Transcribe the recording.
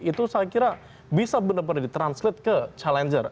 itu saya kira bisa benar benar ditranslate ke challenger